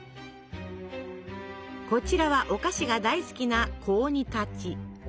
こちらはお菓子が大好きな小鬼たち。